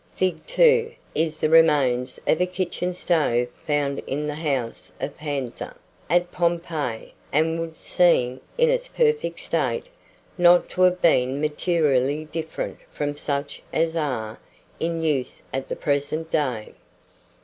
Fig. 2 is the remains of a kitchen stove found in the house of Pansa, at Pompeii, and would seem, in its perfect state, not to have been materially different from such as are in use at the present day.